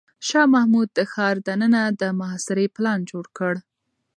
شاه محمود د ښار دننه د محاصرې پلان جوړ کړ.